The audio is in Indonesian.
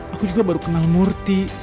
aku juga baru kenal murti